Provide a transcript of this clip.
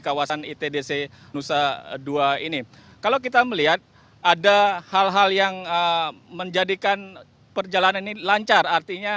kawasan itdc nusa dua ini kalau kita melihat ada hal hal yang menjadikan perjalanan ini lancar artinya